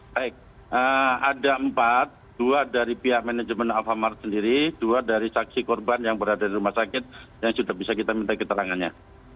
baik ada empat dua dari pihak manajemen alfamart sendiri dua dari saksi korban yang berada di rumah sakit yang sudah bisa kita minta keterangannya